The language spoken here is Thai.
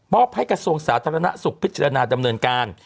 อบให้กระทรวงสาธารณสุขพิจารณาดำเนินการ